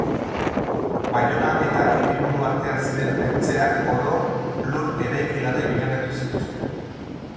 Baiona eta Hiriburu artean ziren pentzeak oro lur eraikigarri bilakatu zituzten.